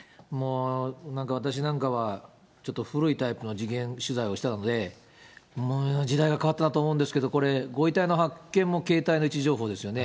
なんか私なんかは、ちょっと古いタイプの事件取材をしてたので、もう時代が変わったなと思うんですけど、これ、ご遺体の発見も携帯の位置情報ですよね。